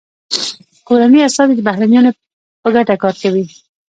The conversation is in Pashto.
کورني استازي د بهرنیانو په ګټه کار کوي